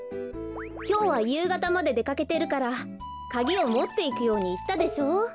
きょうはゆうがたまででかけてるからカギをもっていくようにいったでしょう。